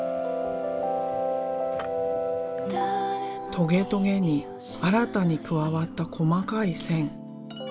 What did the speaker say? トゲトゲに新たに加わった細かい線。